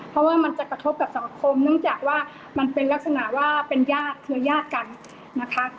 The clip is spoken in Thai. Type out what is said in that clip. เพราะว่ามันจะกระทบกับสังคมเนื่องจากว่ามันเป็นลักษณะว่าเป็นญาติเครือญาติกันนะคะ